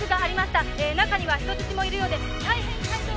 「中には人質もいるようで」